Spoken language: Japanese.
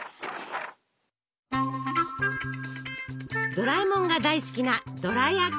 ドラえもんが大好きなドラやき。